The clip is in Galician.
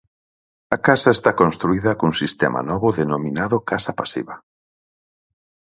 A casa está construída cun sistema novo denominado casa pasiva.